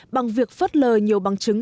bằng việc phất lời nhiều bằng chứng